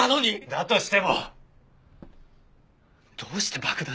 だとしてもどうして爆弾なんて。